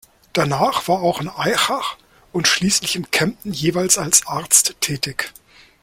Danach war auch in Aichach und schließlich in Kempten jeweils als Arzt tätig.